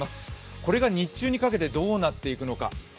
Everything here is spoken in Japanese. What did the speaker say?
これが日中にかけてどうなっていくのか。